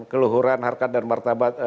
keluhuran harkat dan martabat